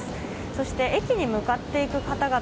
そして駅に向かっていく方々